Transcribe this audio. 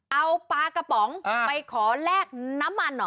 เอาปลากระป๋องไปขอแลกน้ำมันเหรอ